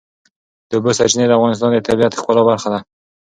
د اوبو سرچینې د افغانستان د طبیعت د ښکلا برخه ده.